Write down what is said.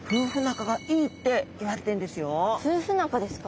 夫婦仲ですか？